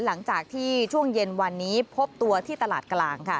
หลังจากที่ช่วงเย็นวันนี้พบตัวที่ตลาดกลางค่ะ